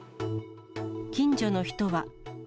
近所の人は。